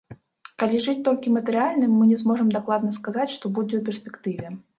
Калі жыць толькі матэрыяльным, мы не зможам дакладна сказаць, што будзе ў перспектыве.